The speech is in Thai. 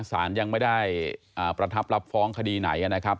สารยังไม่ได้ประทับรับฟ้องคดีไหนนะครับ